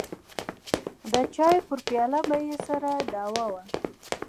د چايو پر پياله به يې سره دعوه وه.